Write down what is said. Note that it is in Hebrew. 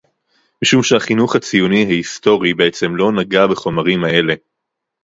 משום שהחינוך הציוני ההיסטורי בעצם לא נגע בחומרים האלה